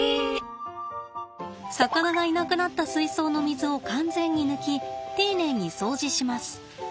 魚がいなくなった水槽の水を完全に抜き丁寧に掃除します。